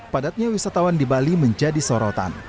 padatnya wisatawan di bali menjadi sorotan